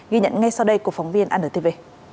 ghi nhận ngay sau đây của phóng viên anntv